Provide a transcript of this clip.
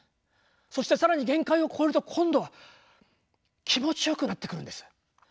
そして更に限界を超えると今度は気持ちよくなってくるんです。